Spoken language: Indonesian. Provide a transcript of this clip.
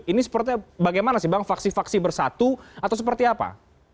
ini seperti bagaimana sih bang faksi faksi bersatu atau seperti apa